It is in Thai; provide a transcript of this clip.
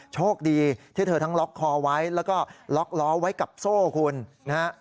โชคดีที่เธอทั้งล็อกคอไว้แล้วก็ล็อกล้อไว้กับโซ่คุณนะฮะ